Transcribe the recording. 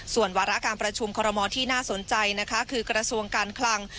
ส่วนวาระการประชุมคอรมอลที่น่าสนใจนะคะคือกระทรวงการคลัง